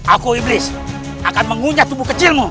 aku iblis akan mengunyat tubuh kecilmu